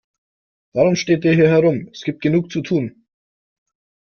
Warum steht ihr hier herum, es gibt genug zu tun.